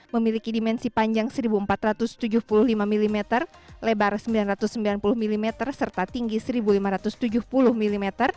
memiliki dimensi panjang seribu empat ratus tujuh puluh lima mm lebar sembilan ratus sembilan puluh mm serta tinggi satu lima ratus tujuh puluh mm